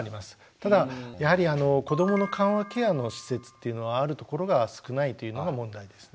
ただやはり子どもの緩和ケアの施設っていうのはあるところが少ないというのが問題ですね。